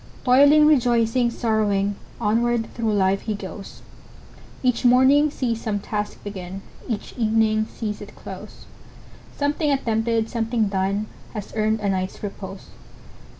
Toiling,—rejoicing,—sorrowing, Onward through life he goes; Each morning sees some task begin, Each evening sees it close; Something attempted, something done. Has earned a night's repose.